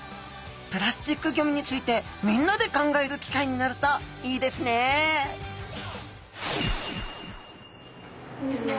プラスチックゴミについてみんなで考える機会になるといいですねこんにちは。